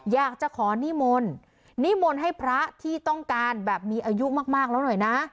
อยากจะขอนิมนต์นิมนต์ให้พระที่ต้องการแบบมีอายุมากแล้วหน่อยนะ